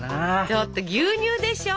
ちょっと牛乳でしょ。